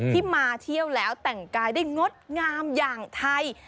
ที่มาเที่ยวแล้วแต่งกายได้งดงามอย่างไทย